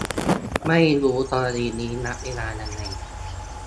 ไม่รู้กรณีนี้นับเวลายังไง